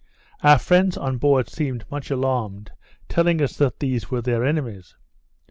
Our friends on board seemed much alarmed, telling us that these were their enemies.